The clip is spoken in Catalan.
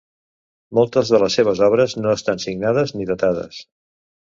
Moltes de les seves obres no estan signades ni datades.